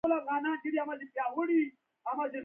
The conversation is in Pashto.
بوټونه د عکسونو ښکلا زیاتوي.